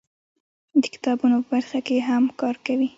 د کتابونو په برخه کې هم کار کوي.